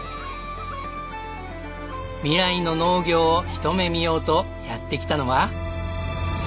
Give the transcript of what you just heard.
未来の農業をひと目見ようとやって来たのは。